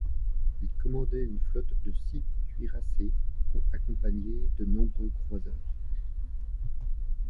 Il commandait une flotte de six cuirassés accompagnés de nombreux croiseurs.